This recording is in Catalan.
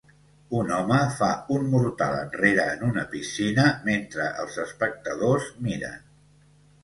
Un home fa un mortal enrere en una piscina mentre els espectadors miren.